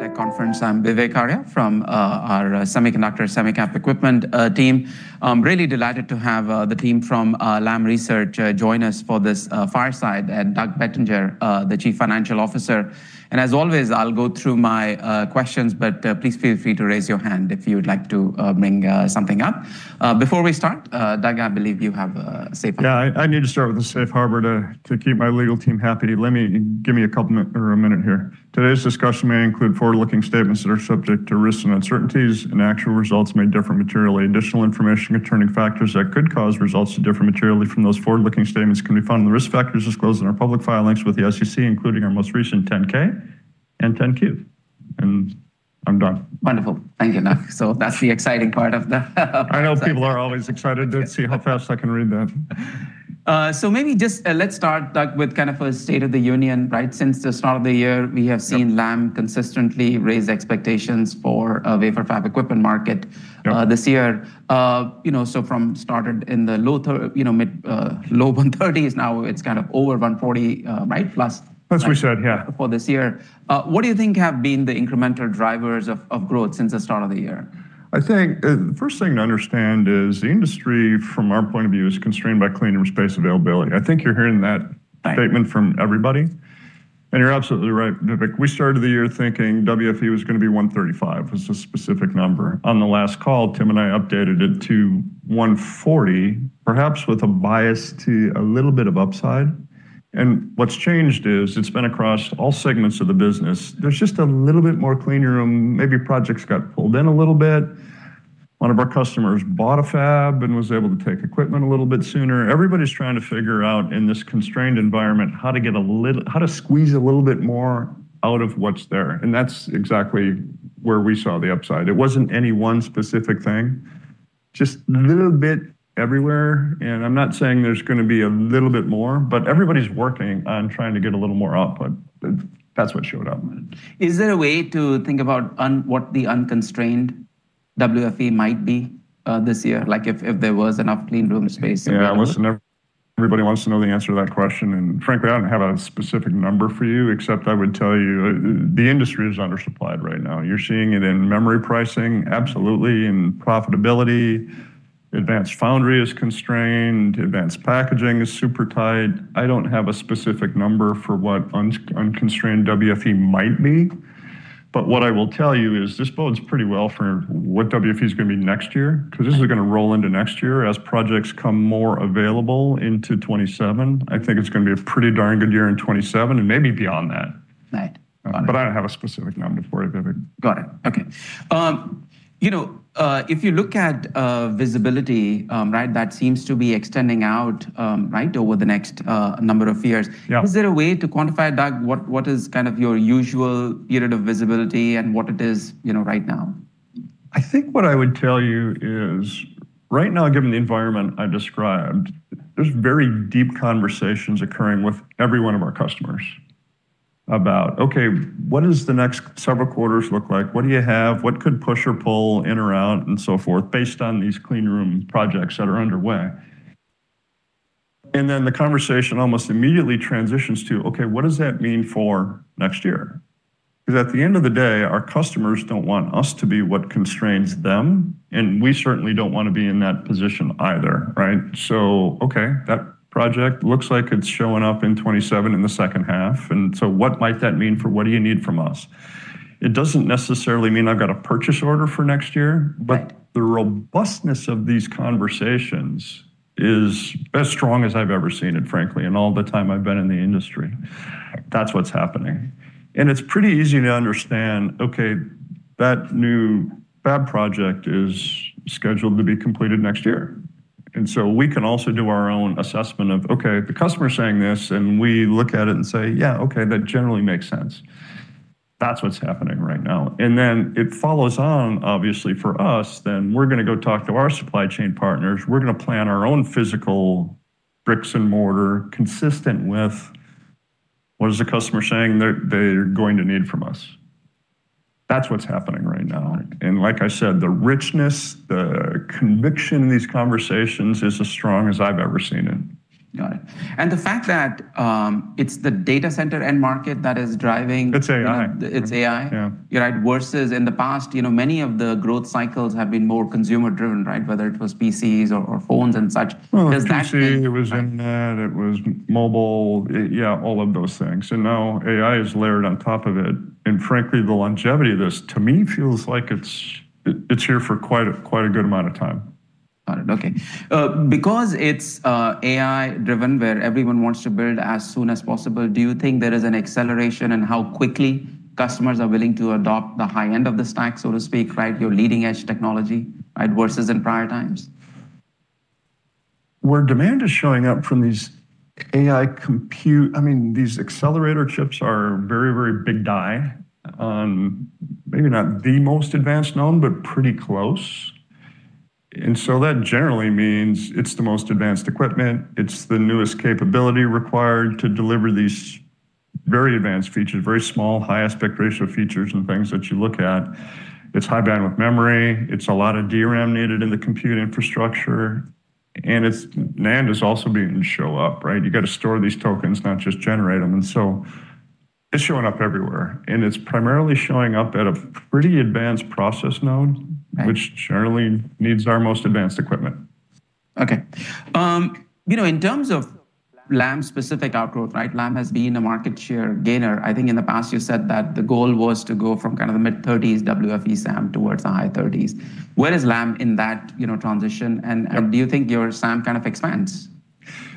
Tech conference. I'm Vivek Arya from our Semiconductor Semicap Equipment team. I'm really delighted to have the team from Lam Research join us for this fireside, and Doug Bettinger, the Chief Financial Officer. As always, I'll go through my questions, but please feel free to raise your hand if you would like to bring something up. Before we start, Doug, I believe you have a safe harbor. Yeah, I need to start with a safe harbor to keep my legal team happy. Give me a minute here. Today's discussion may include forward-looking statements that are subject to risks and uncertainties, and actual results may differ materially. Additional information concerning factors that could cause results to differ materially from those forward-looking statements can be found in the risk factors disclosed in our public file links with the SEC, including our most recent 10-K and 10-Q. I'm done. Wonderful. Thank you, Doug. That's the exciting part of the discussion. I know people are always excited to see how fast I can read that. Maybe just let's start, Doug, with kind of a state of the union. Since the start of the year, we have seen Lam consistently raise expectations for a Wafer Fab Equipment market- Yeah This year. From started in the mid low $130s, now it's kind of over $140, right? We should, yeah. For this year. What do you think have been the incremental drivers of growth since the start of the year? I think the first thing to understand is the industry, from our point of view, is constrained by clean room space availability. I think you're hearing that. Right Statement from everybody. You're absolutely right, Vivek. We started the year thinking WFE was going to be $135. It's a specific number. On the last call, Tim and I updated it to $140, perhaps with a bias to a little bit of upside. What's changed is it's been across all segments of the business. There's just a little bit more clean room. Maybe projects got pulled in a little bit. One of our customers bought a fab and was able to take equipment a little bit sooner. Everybody's trying to figure out, in this constrained environment, how to squeeze a little bit more out of what's there, and that's exactly where we saw the upside. It wasn't any one specific thing, just a little bit everywhere. I'm not saying there's going to be a little bit more, but everybody's working on trying to get a little more output. That's what showed up. Is there a way to think about what the unconstrained WFE might be this year, if there was enough clean room space available? Yeah. Listen, everybody wants to know the answer to that question. Frankly, I don't have a specific number for you, except I would tell you the industry is undersupplied right now. You're seeing it in memory pricing, absolutely, in profitability. Advanced foundry is constrained. Advanced packaging is super tight. I don't have a specific number for what unconstrained WFE might be, but what I will tell you is this bodes pretty well for what WFE is going to be next year, because this is going to roll into next year as projects come more available into 2027. I think it's going to be a pretty darn good year in 2027 and maybe beyond that. Right. Got it. I don't have a specific number for you, Vivek. Got it. Okay. If you look at visibility, that seems to be extending out over the next number of years. Yeah. Is there a way to quantify, Doug, what is kind of your usual period of visibility and what it is right now? I think what I would tell you is right now, given the environment I described, there's very deep conversations occurring with every one of our customers about, okay, what does the next several quarters look like? What do you have? What could push or pull in or out and so forth based on these clean room projects that are underway? Then the conversation almost immediately transitions to, okay, what does that mean for next year? Because at the end of the day, our customers don't want us to be what constrains them, and we certainly don't want to be in that position either, right? Okay, that project looks like it's showing up in 2027, in the second half, and so what might that mean for what do you need from us? It doesn't necessarily mean I've got a purchase order for next year. Right The robustness of these conversations is as strong as I've ever seen it, frankly, in all the time I've been in the industry. Right. That's what's happening. It's pretty easy to understand, okay, that new fab project is scheduled to be completed next year. We can also do our own assessment of, okay, the customer's saying this, and we look at it and say, "Yeah, okay, that generally makes sense." That's what's happening right now. It follows on, obviously, for us, then we're going to go talk to our supply chain partners. We're going to plan our own physical bricks and mortar consistent with what is the customer saying they're going to need from us. That's what's happening right now. Right. Like I said, the richness, the conviction in these conversations is as strong as I've ever seen it. Got it. The fact that it's the data center end market that is driving- It's AI. It's AI. Yeah. You're right. Versus in the past, many of the growth cycles have been more consumer-driven, whether it was PCs or phones and such. Well, PC, it was internet, it was mobile. Yeah, all of those things. Now AI is layered on top of it, frankly, the longevity of this, to me, feels like it's here for quite a good amount of time. Got it. Okay. It's AI-driven, where everyone wants to build as soon as possible, do you think there is an acceleration in how quickly customers are willing to adopt the high end of the stack, so to speak, your leading-edge technology, versus in prior times? Where demand is showing up from these AI compute-- These accelerator chips are very, very big die on maybe not the most advanced node, but pretty close. That generally means it's the most advanced equipment, it's the newest capability required to deliver these very advanced features, very small, high aspect ratio features and things that you look at. It's high bandwidth memory. It's a lot of DRAM needed in the compute infrastructure. NAND is also beginning to show up, right? You've got to store these tokens, not just generate them. It's showing up everywhere, and it's primarily showing up at a pretty advanced process node, which certainly needs our most advanced equipment. Okay. In terms of Lam's specific outgrowth, right? Lam has been a market share gainer. I think in the past you said that the goal was to go from kind of the mid-30s WFE SAM towards the high 30s. Where is Lam in that transition, and do you think your SAM kind of expands?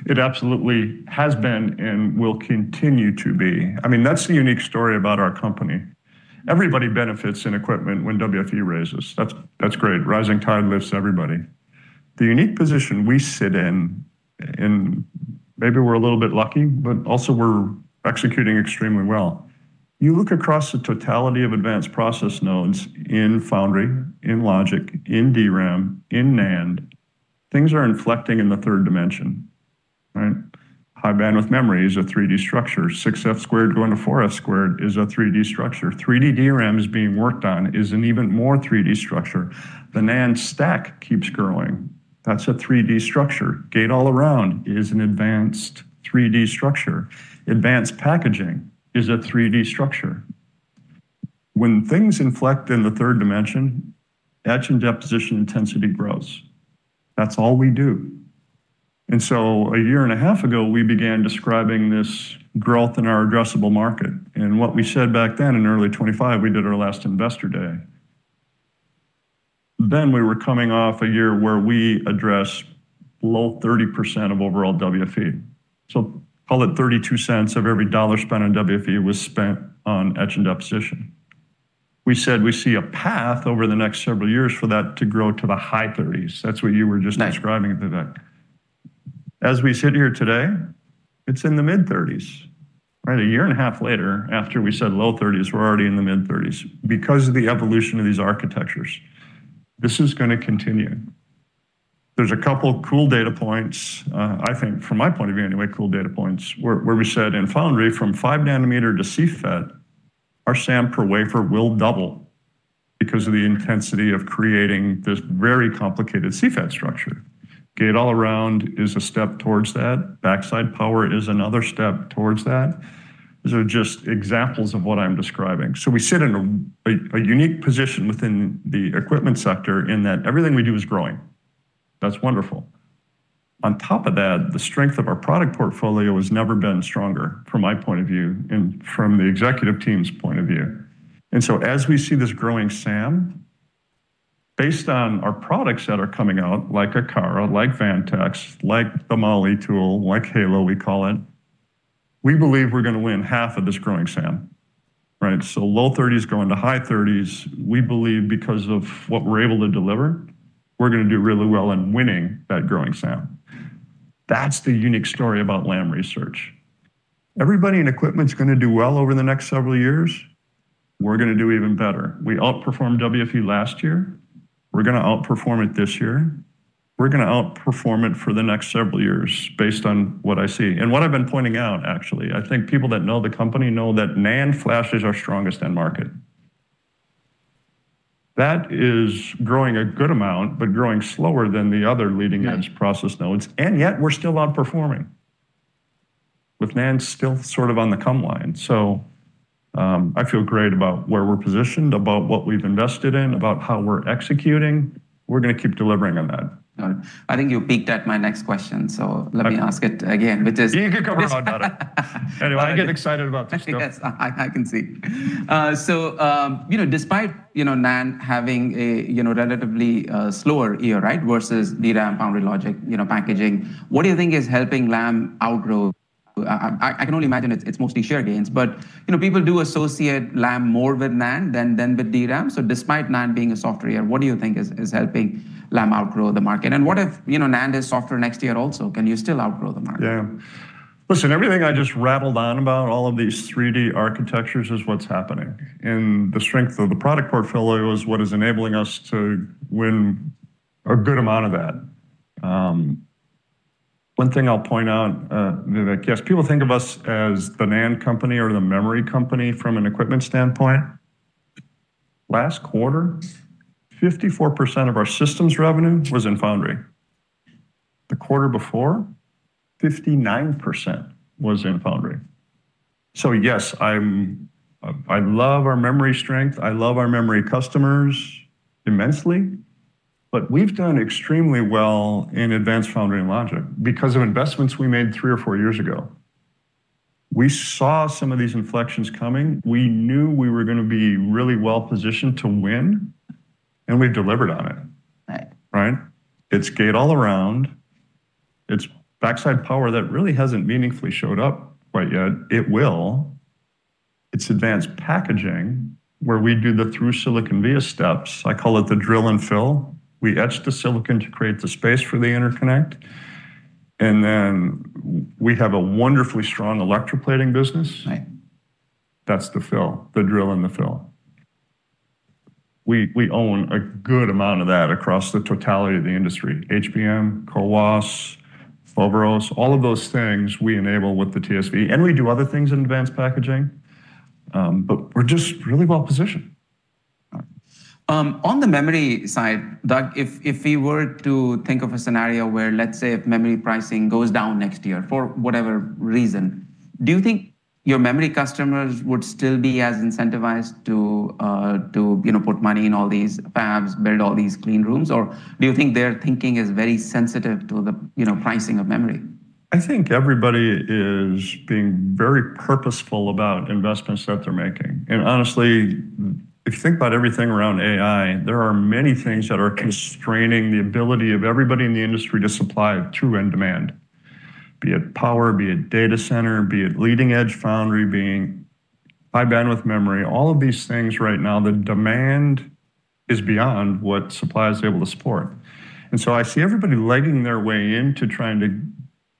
It absolutely has been and will continue to be. That's the unique story about our company. Everybody benefits in equipment when WFE raises. That's great. Rising tide lifts everybody. The unique position we sit in, and maybe we're a little bit lucky, but also we're executing extremely well. You look across the totality of advanced process nodes in foundry, in logic, in DRAM, in NAND, things are inflecting in the third dimension, right? High-bandwidth memory is a 3D structure. 6F² going to 4F² is a 3D structure. 3D DRAM is being worked on, is an even more 3D structure. The NAND stack keeps growing. That's a 3D structure. Gate-All-Around is an advanced 3D structure. Advanced packaging is a 3D structure. When things inflect in the third dimension, etch and deposition intensity grows. That's all we do. A year and a half ago, we began describing this growth in our addressable market. What we said back then in early 2025, we did our last Investor Day. Then we were coming off a year where we addressed low 30% of overall WFE. Call it $0.32 of every dollar spent on WFE was spent on etch and deposition. We said we see a path over the next several years for that to grow to the high 30s. That's what you were just describing, Vivek. Right. As we sit here today, it's in the mid-30s. Right? A year and a half later, after we said low 30s, we're already in the mid-30s because of the evolution of these architectures. This is going to continue. There's a couple cool data points, I think from my point of view anyway, cool data points, where we said in foundry from five nanometer to CFET, our SAM per wafer will double because of the intensity of creating this very complicated CFET structure. Gate-All-Around is a step towards that. backside power is another step towards that. These are just examples of what I'm describing. We sit in a unique position within the equipment sector in that everything we do is growing. That's wonderful. On top of that, the strength of our product portfolio has never been stronger from my point of view and from the executive team's point of view. As we see this growing SAM, based on our products that are coming out, like Akara, like Vantex, like the Moly tool, like Halo we call it, we believe we're going to win half of this growing SAM. Right? Low 30s going to high 30s, we believe because of what we're able to deliver, we're going to do really well in winning that growing SAM. That's the unique story about Lam Research. Everybody in equipment's going to do well over the next several years. We're going to do even better. We outperformed WFE last year. We're going to outperform it this year. We're going to outperform it for the next several years based on what I see. What I've been pointing out, actually, I think people that know the company know that NAND flash is our strongest end market. That is growing a good amount, but growing slower than the other leading-edge process nodes. Yet we're still outperforming, with NAND still sort of on the come line. I feel great about where we're positioned, about what we've invested in, about how we're executing. We're going to keep delivering on that. Got it. I think you piqued at my next question, so let me ask it again. You can go for a hard bout at it. I get excited about this stuff. Yes, I can see. Despite NAND having a relatively slower year, right, versus DRAM foundry logic packaging, what do you think is helping Lam outgrow? I can only imagine it's mostly share gains, people do associate Lam more with NAND than with DRAM. Despite NAND being a softer year, what do you think is helping Lam outgrow the market? What if NAND is softer next year also, can you still outgrow the market? Yeah. Listen, everything I just rattled on about, all of these 3D architectures is what's happening, and the strength of the product portfolio is what is enabling us to win a good amount of that. One thing I'll point out, Vivek, yes, people think of us as the NAND company or the memory company from an equipment standpoint. Last quarter, 54% of our systems revenue was in foundry. The quarter before, 59% was in foundry. Yes, I love our memory strength. I love our memory customers immensely, but we've done extremely well in advanced foundry and logic because of investments we made three or four years ago. We saw some of these inflections coming. We knew we were going to be really well-positioned to win, and we've delivered on it. Right. Right? It's Gate-All-Around, it's backside power that really hasn't meaningfully showed up quite yet. It will. It's advanced packaging where we do the through-silicon via steps. I call it the drill and fill. We etch the silicon to create the space for the interconnect. Then we have a wonderfully strong electroplating business. Right. That's the fill, the drill and the fill. We own a good amount of that across the totality of the industry, HBM, CoWoS, Foveros, all of those things we enable with the TSV, and we do other things in advanced packaging. We're just really well-positioned On the memory side, Doug, if we were to think of a scenario where, let's say, if memory pricing goes down next year for whatever reason, do you think your memory customers would still be as incentivized to put money in all these fabs, build all these clean rooms? Or do you think their thinking is very sensitive to the pricing of memory? I think everybody is being very purposeful about investments that they're making. Honestly, if you think about everything around AI, there are many things that are constraining the ability of everybody in the industry to supply true end demand, be it power, be it data center, be it leading-edge foundry, be it high-bandwidth memory, all of these things right now, the demand is beyond what supply is able to support. I see everybody legging their way into trying to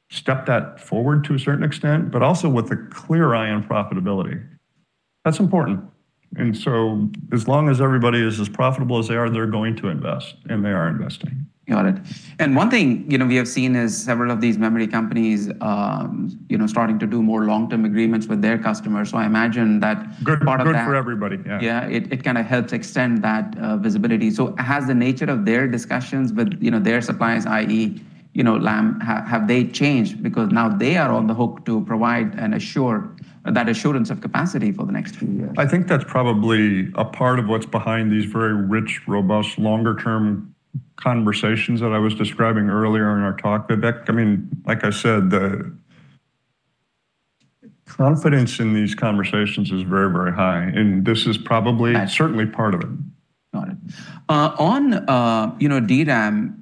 step that forward to a certain extent, but also with a clear eye on profitability. That's important. As long as everybody is as profitable as they are, they're going to invest, and they are investing. Got it. One thing we have seen is several of these memory companies starting to do more long-term agreements with their customers. I imagine that. Good for everybody, yeah. Yeah, it kind of helps extend that visibility. Has the nature of their discussions with their suppliers, i.e., Lam, have they changed? Because now they are on the hook to provide and assure that assurance of capacity for the next few years. I think that's probably a part of what's behind these very rich, robust, longer-term conversations that I was describing earlier in our talk. Like I said, the confidence in these conversations is very, very high, and this is certainly part of it. Got it. On DRAM,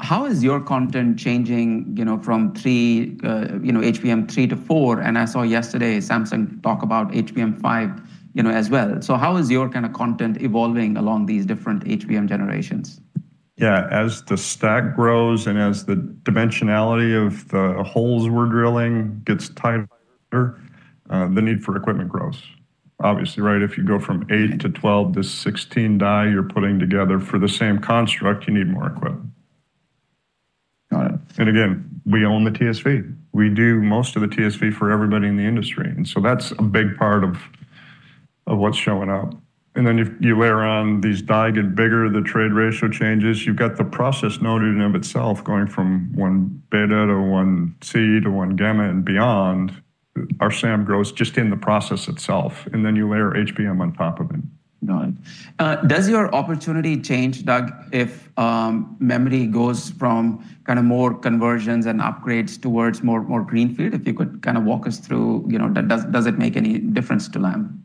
how is your content changing from HBM3 to 4, and I saw yesterday Samsung talk about HBM5 as well. How is your kind of content evolving along these different HBM generations? Yeah. As the stack grows and as the dimensionality of the holes we're drilling gets tighter, the need for equipment grows. Obviously, right, if you go from eight to 12-16 die you're putting together for the same construct, you need more equipment. Got it. Again, we own the TSV. We do most of the TSV for everybody in the industry, and so that's a big part of what's showing up. Then you layer on these die get bigger, the trade ratio changes. You've got the process node in and of itself going from 1-beta to 1c to 1-gamma and beyond. Our SAM grows just in the process itself, and then you layer HBM on top of it. Got it. Does your opportunity change, Doug, if memory goes from kind of more conversions and upgrades towards more greenfield? If you could kind of walk us through, does it make any difference to Lam?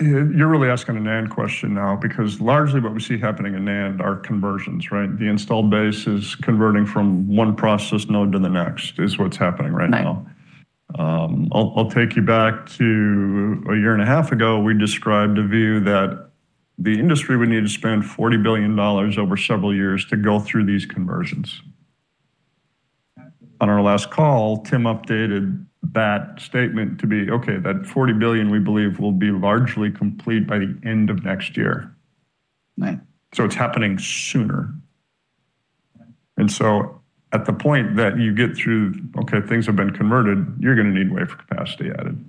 You're really asking a NAND question now because largely what we see happening in NAND are conversions, right? The installed base is converting from one process node to the next, is what's happening right now. Right. I'll take you back to a year and a half ago. We described a view that the industry would need to spend $40 billion over several years to go through these conversions. On our last call, Tim updated that statement to be, okay, that $40 billion, we believe, will be largely complete by the end of next year. Right. It's happening sooner. At the point that you get through, okay, things have been converted, you're going to need wafer capacity added.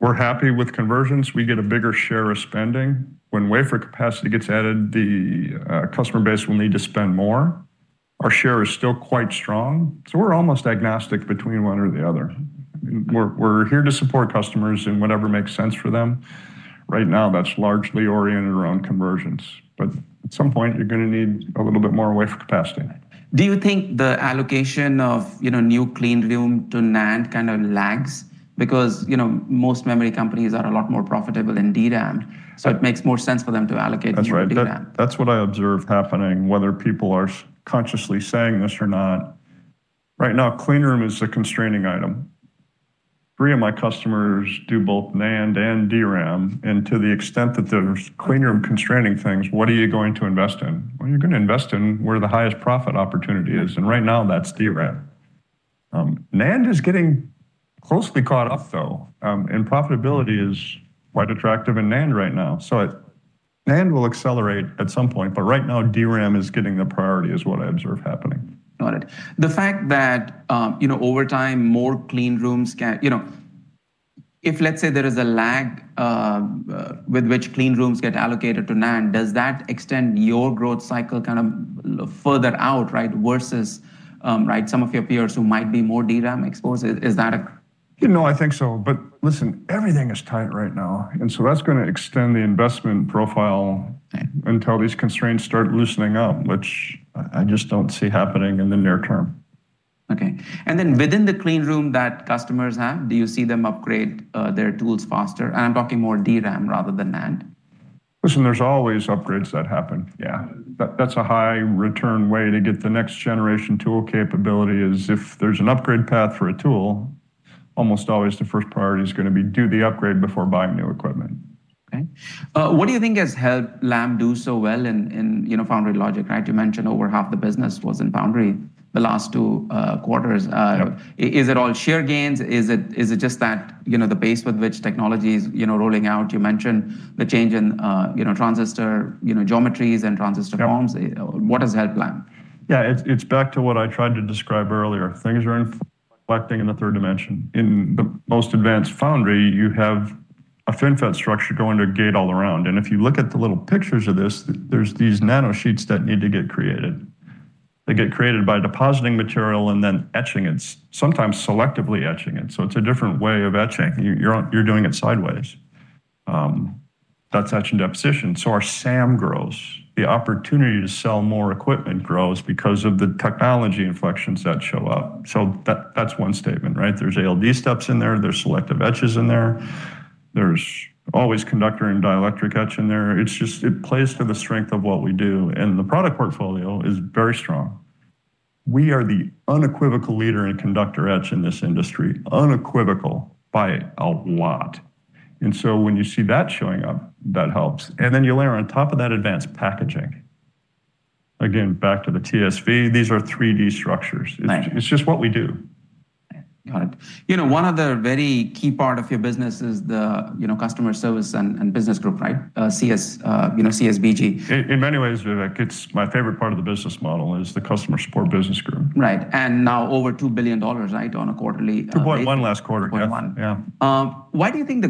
We're happy with conversions. We get a bigger share of spending. When wafer capacity gets added, the customer base will need to spend more. Our share is still quite strong, so we're almost agnostic between one or the other. We're here to support customers in whatever makes sense for them. Right now, that's largely oriented around conversions, but at some point, you're going to need a little bit more wafer capacity. Do you think the allocation of new clean room to NAND kind of lags? Most memory companies are a lot more profitable than DRAM, so it makes more sense for them to allocate to DRAM. That's right. That's what I observe happening, whether people are consciously saying this or not. Right now, clean room is a constraining item. Three of my customers do both NAND and DRAM. To the extent that there's clean room constraining things, what are you going to invest in? Well, you're going to invest in where the highest profit opportunity is. Right now that's DRAM. NAND is getting closely caught up, though. Profitability is quite attractive in NAND right now. NAND will accelerate at some point. Right now DRAM is getting the priority is what I observe happening. Got it. The fact that, over time, more clean rooms, if, let's say, there is a lag with which clean rooms get allocated to NAND, does that extend your growth cycle kind of further out, right, versus some of your peers who might be more DRAM exposed? You know, I think so. Listen, everything is tight right now, and so that's going to extend the investment profile. Right Until these constraints start loosening up, which I just don't see happening in the near term. Okay. Within the clean room that customers have, do you see them upgrade their tools faster? I'm talking more DRAM rather than NAND. Listen, there's always upgrades that happen. Yeah. That's a high-return way to get the next-generation tool capability is if there's an upgrade path for a tool, almost always the first priority is going to be do the upgrade before buying new equipment. Okay. What do you think has helped Lam do so well in foundry logic, right? You mentioned over half the business was in foundry the last two quarters. Yeah. Is it all share gains? Is it just that the pace with which technology is rolling out? You mentioned the change in transistor geometries and transistor forms. Yeah. What has helped Lam? Yeah, it's back to what I tried to describe earlier. Things are collecting in the third dimension. In the most advanced foundry, you have a FinFET structure going to a Gate-All-Around. If you look at the little pictures of this, there's these nanosheets that need to get created. They get created by depositing material and then etching it, sometimes selectively etching it. It's a different way of etching. You're doing it sideways. That's etch and deposition. Our SAM grows. The opportunity to sell more equipment grows because of the technology inflections that show up. That's one statement, right? There's ALD steps in there's selective etches in there. There's always conductor and dielectric etch in there. It plays to the strength of what we do, and the product portfolio is very strong. We are the unequivocal leader in conductor etch in this industry, unequivocal by a lot. When you see that showing up, that helps. Then you layer on top of that advanced packaging. Again, back to the TSV, these are 3D structures. Right. It's just what we do. Got it. One of the very key part of your business is the Customer Service and Business Group, CSBG. In many ways, Vivek, it's my favorite part of the business model, is the Customer Support Business Group. Right. now over $2 billion. $2.1 billion last quarter. $2.1 billion. Yeah. When do you think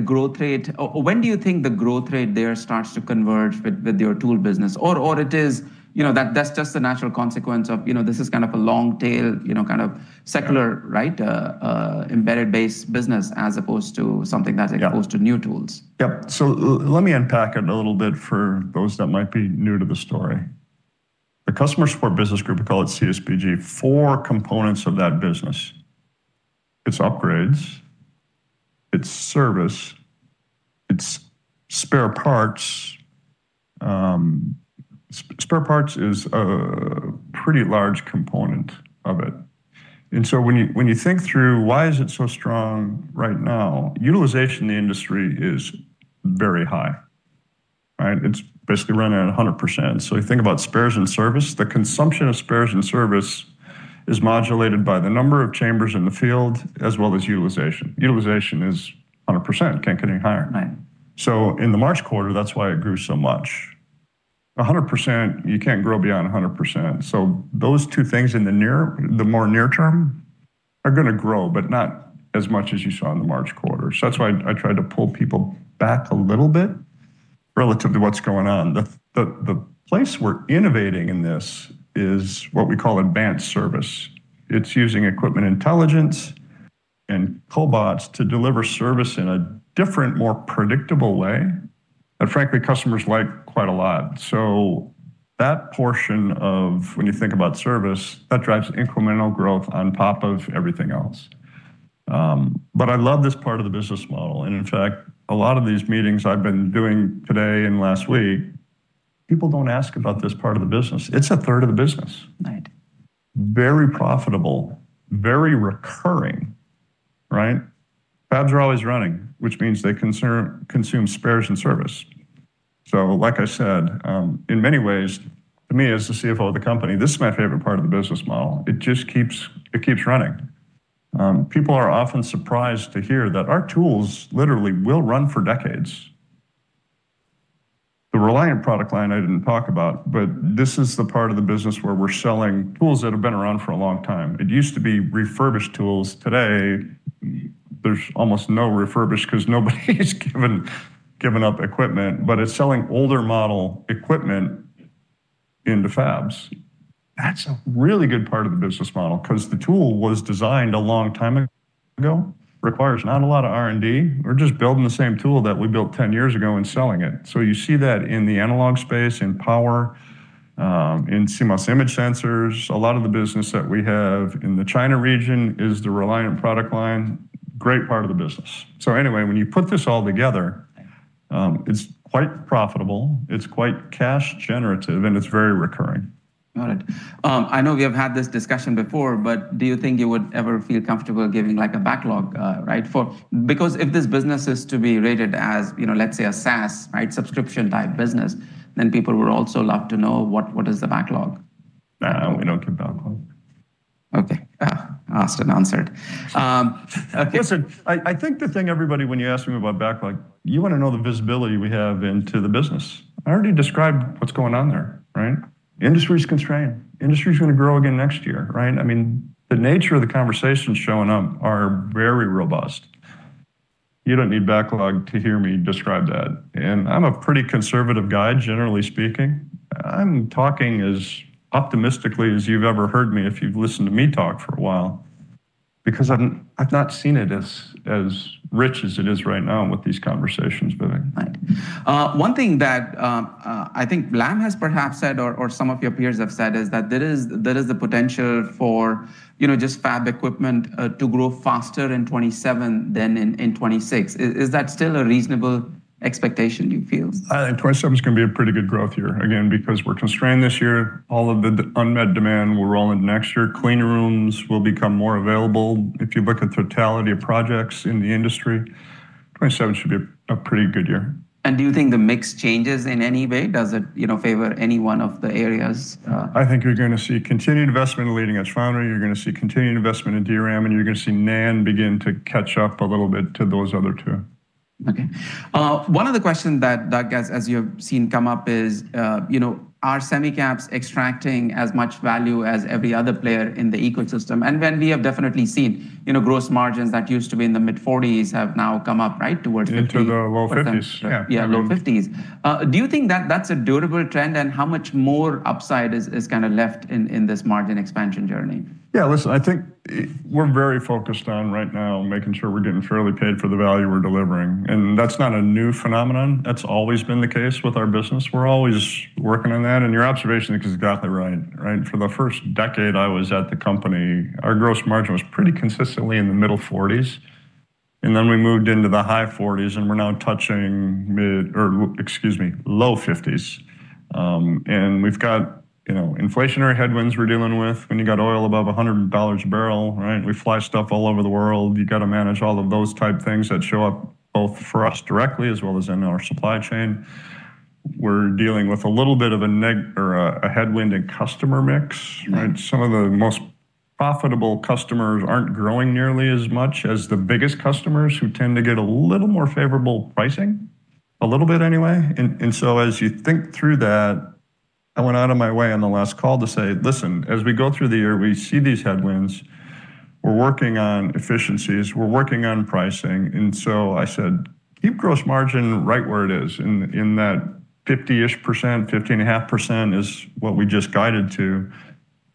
the growth rate there starts to converge with your tool business? It is, that's just the natural consequence of this is kind of a long tail, kind of secular, embedded base business as opposed to something that's. Yeah Opposed to new tools. Yep. Let me unpack it a little bit for those that might be new to the story. The customer support business group, we call it CSBG. Four components of that business. It's upgrades, it's service, it's spare parts. Spare parts is a pretty large component of it. When you think through why is it so strong right now, utilization in the industry is very high. It's basically running at 100%. You think about spares and service, the consumption of spares and service is modulated by the number of chambers in the field as well as utilization. Utilization is 100%, can't get any higher. Right. In the March quarter, that's why it grew so much. 100%. You can't grow beyond 100%. Those two things in the more near term are going to grow, but not as much as you saw in the March quarter. That's why I tried to pull people back a little bit relative to what's going on. The place we're innovating in this is what we call advanced service. It's using Equipment Intelligence and cobots to deliver service in a different, more predictable way that frankly, customers like quite a lot. That portion of when you think about service, that drives incremental growth on top of everything else. I love this part of the business model, and in fact, a lot of these meetings I've been doing today and last week, people don't ask about this part of the business. It's a third of the business. Right. Very profitable, very recurring. Fabs are always running, which means they consume spares and service. Like I said, in many ways, to me as the CFO of the company, this is my favorite part of the business model. It just keeps running. People are often surprised to hear that our tools literally will run for decades. The Reliant product line I didn't talk about, but this is the part of the business where we're selling tools that have been around for a long time. It used to be refurbished tools. Today, there's almost no refurbished because nobody's given up equipment, but it's selling older model equipment into fabs. That's a really good part of the business model because the tool was designed a long time ago, requires not a lot of R&D. We're just building the same tool that we built 10 years ago and selling it. You see that in the analog space, in power, in CMOS Image Sensors. A lot of the business that we have in the China region is the Reliant product line. Great part of the business. Anyway, when you put this all together, it's quite profitable, it's quite cash generative, and it's very recurring. Got it. I know we have had this discussion before, do you think you would ever feel comfortable giving like a backlog? If this business is to be rated as let's say a SaaS, subscription-type business, people would also love to know what is the backlog. No, we don't give backlog. Okay. Asked and answered. Listen, I think the thing everybody, when you ask me about backlog, you want to know the visibility we have into the business. I already described what's going on there. Industry's constrained. Industry's going to grow again next year. I mean, the nature of the conversations showing up are very robust. You don't need backlog to hear me describe that, and I'm a pretty conservative guy, generally speaking. I'm talking as optimistically as you've ever heard me, if you've listened to me talk for a while, because I've not seen it as rich as it is right now with these conversations, Vivek. Right. One thing that I think Lam has perhaps said, or some of your peers have said, is that there is the potential for just fab equipment to grow faster in 2027 than in 2026. Is that still a reasonable expectation, do you feel? I think 2027 is going to be a pretty good growth year. Again, because we're constrained this year. All of the unmet demand will roll into next year. Clean rooms will become more available. If you look at totality of projects in the industry, 2027 should be a pretty good year. Do you think the mix changes in any way? Does it favor any one of the areas? I think you're going to see continued investment in leading-edge foundry. You're going to see continued investment in DRAM, and you're going to see NAND begin to catch up a little bit to those other two. Okay. One of the questions that, Doug, as you have seen come up is, are semi caps extracting as much value as every other player in the ecosystem? When we have definitely seen gross margins that used to be in the mid-40s have now come up right towards 50%. Into the low 50s. Yeah. Yeah, low 50s. Do you think that's a durable trend? How much more upside is left in this margin expansion journey? Yeah. Listen, I think we're very focused on right now making sure we're getting fairly paid for the value we're delivering. That's not a new phenomenon. That's always been the case with our business. We're always working on that. Your observation is exactly right. For the first decade I was at the company, our gross margin was pretty consistently in the middle 40s, and then we moved into the high 40s, and we're now touching low 50s. We've got inflationary headwinds we're dealing with when you've got oil above $100 a barrel, right? We fly stuff all over the world. You got to manage all of those type things that show up, both for us directly as well as in our supply chain. We're dealing with a little bit of a headwind in customer mix, right? Right. Some of the most profitable customers aren't growing nearly as much as the biggest customers who tend to get a little more favorable pricing, a little bit anyway. As you think through that, I went out of my way on the last call to say, "Listen, as we go through the year, we see these headwinds. We're working on efficiencies, we're working on pricing." I said, "Keep gross margin right where it is in that 50-ish%, 50.5% is what we just guided to."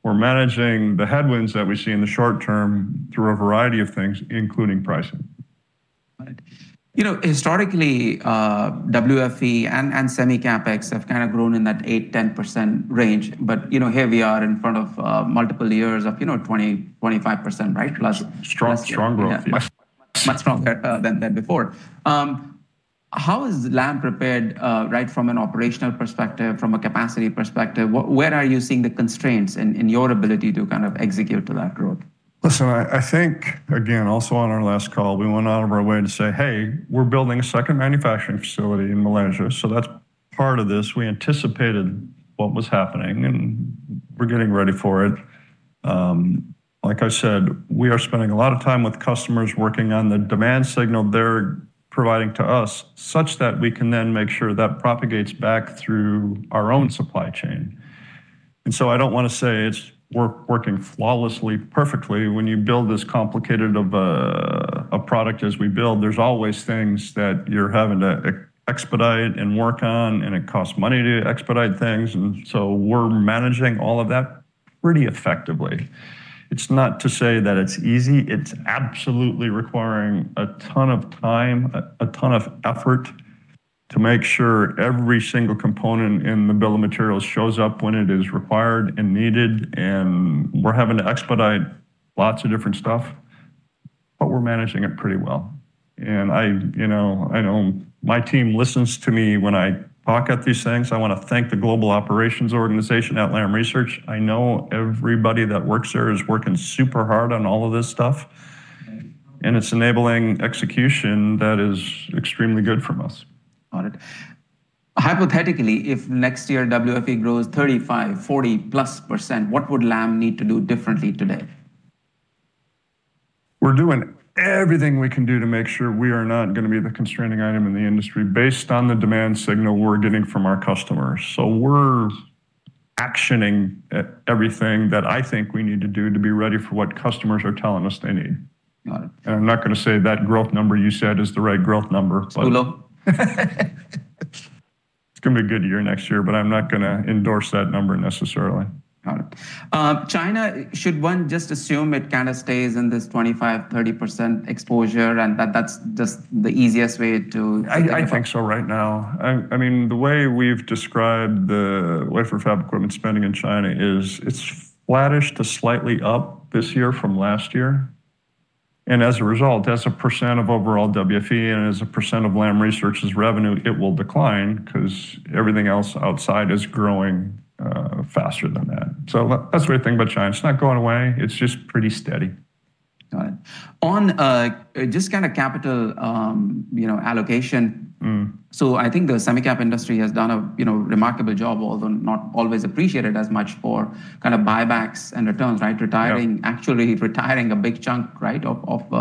We're managing the headwinds that we see in the short term through a variety of things, including pricing. Right. Historically, WFE and Semi CapEx have grown in that 8%-10% range. Here we are in front of multiple years of 20%-25%, right? Strong growth. Yeah. Much stronger than before. How is Lam prepared right from an operational perspective, from a capacity perspective? Where are you seeing the constraints in your ability to execute to that growth? Listen, I think, again, also on our last call, we went out of our way to say, "Hey, we're building a second manufacturing facility in Malaysia." That's part of this. We anticipated what was happening, and we're getting ready for it. Like I said, we are spending a lot of time with customers working on the demand signal they're providing to us, such that we can then make sure that propagates back through our own supply chain. I don't want to say it's working flawlessly perfectly. When you build as complicated of a product as we build, there's always things that you're having to expedite and work on, and it costs money to expedite things. We're managing all of that pretty effectively. It's not to say that it's easy. It's absolutely requiring a ton of time, a ton of effort to make sure every single component in the bill of materials shows up when it is required and needed. We're having to expedite lots of different stuff, but we're managing it pretty well. I know my team listens to me when I talk at these things. I want to thank the global operations organization at Lam Research. I know everybody that works there is working super hard on all of this stuff, and it's enabling execution that is extremely good from us. Got it. Hypothetically, if next year WFE grows 35%, 40%+, what would Lam need to do differently today? We're doing everything we can do to make sure we are not going to be the constraining item in the industry based on the demand signal we're getting from our customers. We're actioning everything that I think we need to do to be ready for what customers are telling us they need. Got it. I'm not going to say that growth number you said is the right growth number, but. It's too low? It's going to be a good year next year, but I'm not going to endorse that number necessarily. Got it. China, should one just assume it kind of stays in this 25%-30% exposure, and that's just the easiest way to think about. I think so right now. The way we've described the Wafer Fab Equipment spending in China is it's flattish to slightly up this year from last year. As a result, as a % of overall WFE and as a % of Lam Research's revenue, it will decline because everything else outside is growing faster than that. That's the right thing about China. It's not going away. It's just pretty steady. Got it. On just kind of capital allocation. I think the semi cap industry has done a remarkable job, although not always appreciated as much for kind of buybacks and returns, right? Yeah. Actually retiring a big chunk of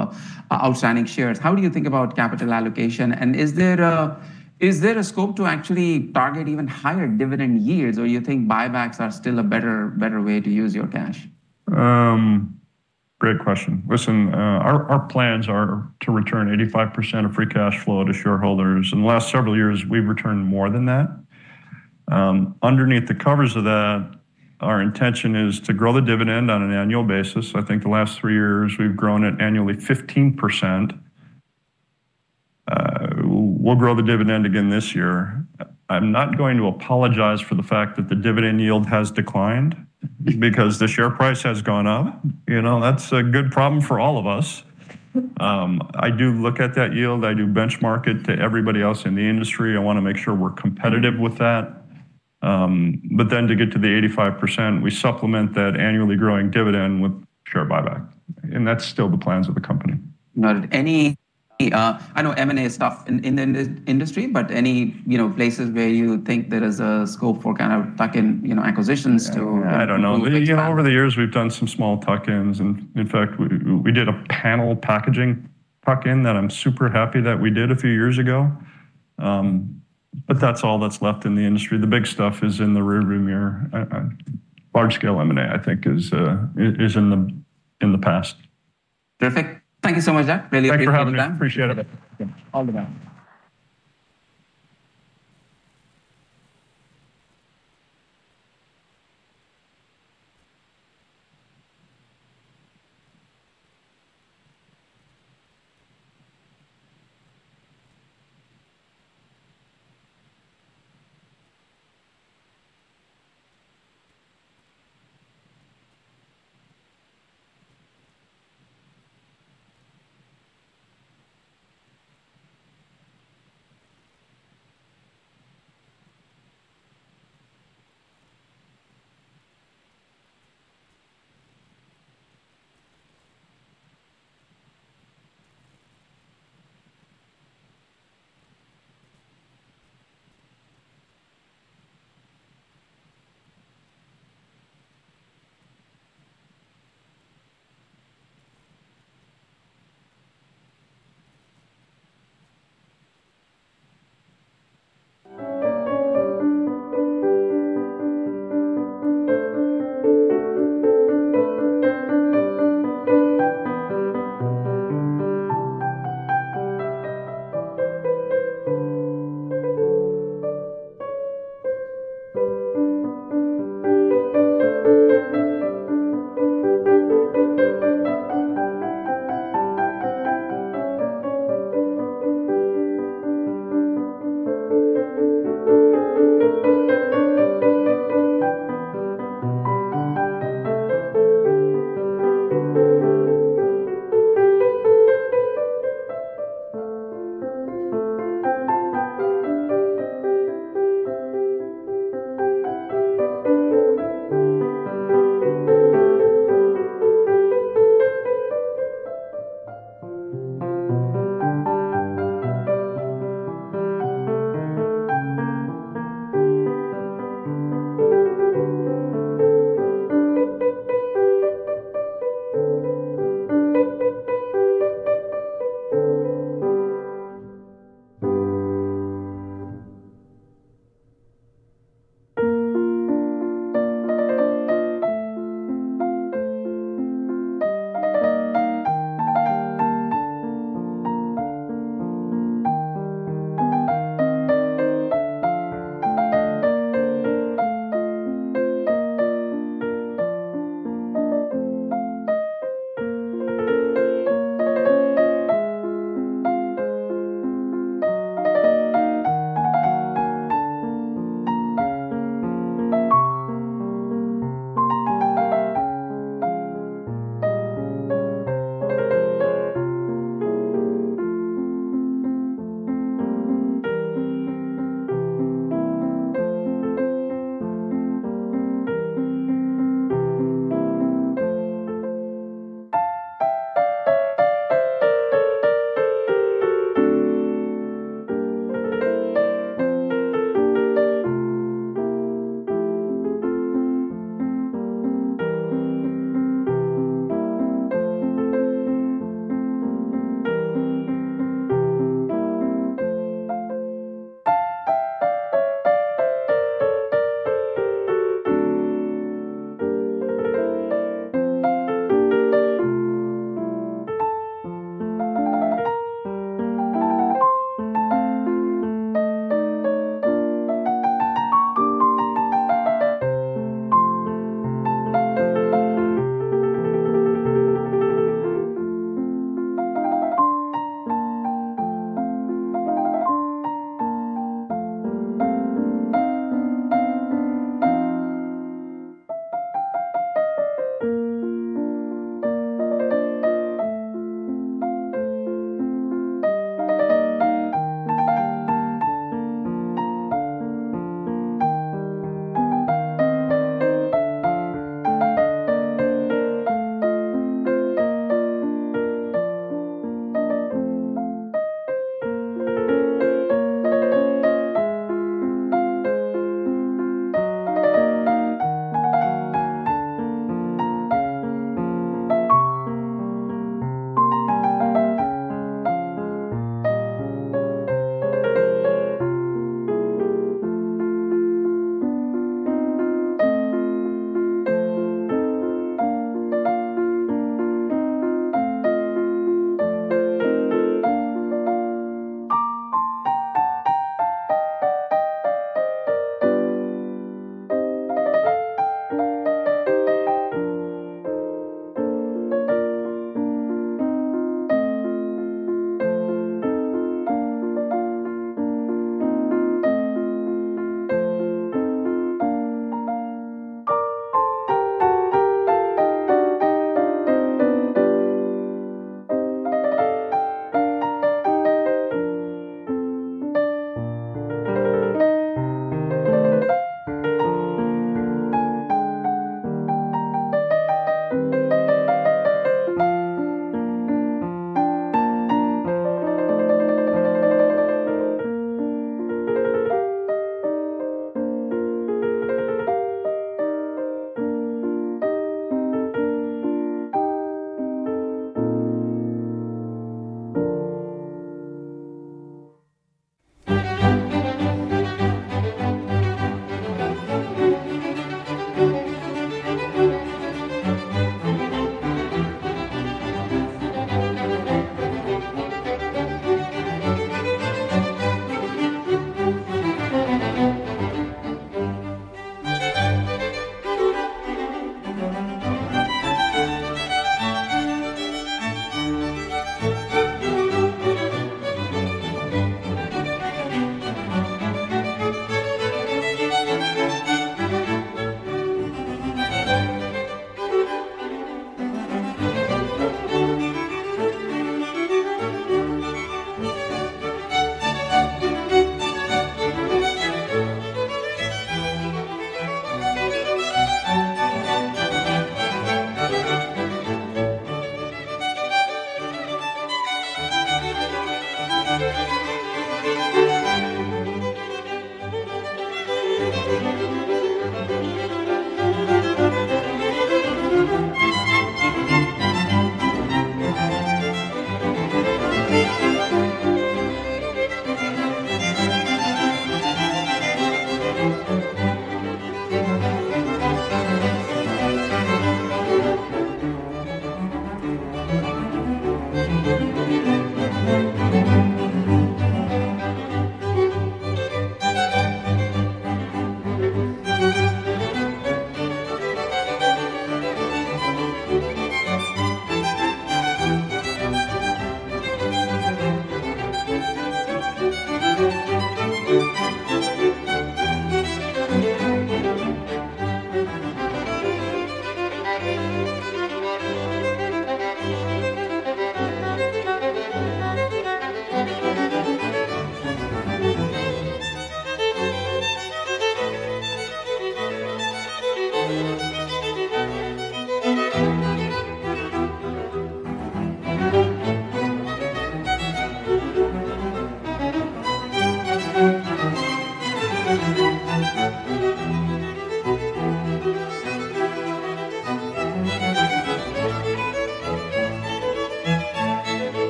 outstanding shares. How do you think about capital allocation, and is there a scope to actually target even higher dividend yields, or you think buybacks are still a better way to use your cash? Great question. Listen, our plans are to return 85% of free cash flow to shareholders. In the last several years, we've returned more than that. Underneath the covers of that, our intention is to grow the dividend on an annual basis. I think the last three years we've grown it annually 15%. We'll grow the dividend again this year. I'm not going to apologize for the fact that the dividend yield has declined because the share price has gone up. That's a good problem for all of us. I do look at that yield. I do benchmark it to everybody else in the industry. I want to make sure we're competitive with that. To get to the 85%, we supplement that annually growing dividend with share buyback, and that's still the plans of the company. Got it. I know M&A is tough in the industry, any places where you think there is a scope for kind of tuck-in acquisitions? I don't know. Over the years, we've done some small tuck-ins. We did a panel packaging tuck-in that I'm super happy that we did a few years ago. That's all that's left in the industry. The big stuff is in the rearview mirror. Large scale M&A, I think is in the past. Perfect. Thank you so much, Doug. Really appreciate your time. Thanks for having me. Appreciate it.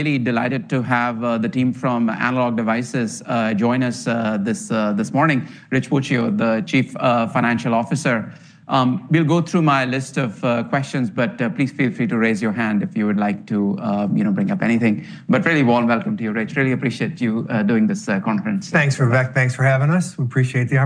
All the best. Really delighted to have the team from Analog Devices join us this morning. Rich Puccio, the Chief Financial Officer. We'll go through my list of questions, but please feel free to raise your hand if you would like to bring up anything. Really warm welcome to you, Rich. Really appreciate you doing this conference. Thanks, Vivek. Thanks for having us.